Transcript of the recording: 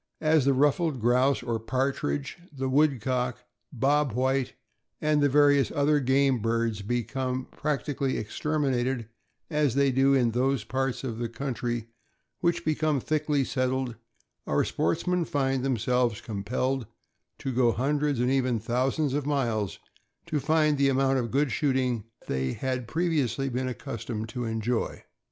As the ruffed grouse, or partridge, the woodcock. '' Bob White," and the various other game birds become practi cally exterminated, as they do in those parts of the coun try which become thickly settled, our sportsmen find themselves compelled to go hundreds, and even thousands, of miles to find the amount of good shooting they had pre viously been accustomed to enjoy.